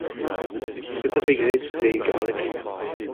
Petra a vez graet eus se e galleg ?